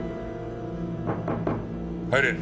入れ。